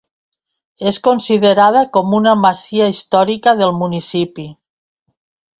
És considerada com una masia històrica del municipi.